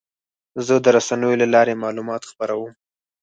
زه د رسنیو له لارې معلومات خپروم.